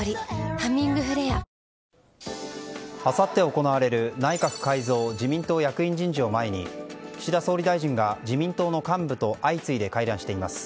「ハミングフレア」あさって行われる内閣改造・自民党役員人事を前に岸田総理大臣が自民党の幹部と相次いで会談しています。